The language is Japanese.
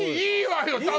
いいわよ！